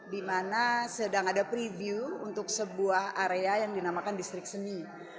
di mana sedang ada preview untuk sebuah area yang dinamakan distrik seni